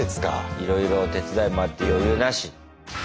いろいろ手伝いもあって余裕なし。